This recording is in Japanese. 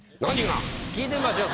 聞いてみましょう。